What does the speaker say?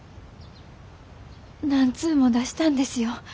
何通も出したんですよ。